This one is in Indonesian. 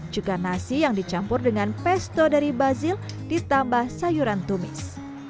juga nasi yang dicampur dengan pesto dari bazil ditambah sayuran tumis